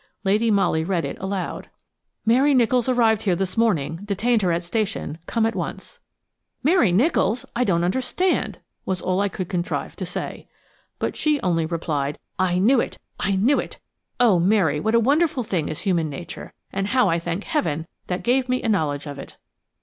Lady Molly read it aloud: "Mary Nicholls arrived here this morning. Detained her at station. Come at once." "Mary Nicholls! I don't understand," was all I could contrive to say. But she only replied: "I knew it! I knew it! Oh, Mary, what a wonderful thing is human nature, and how I thank Heaven that gave me a knowledge of it!"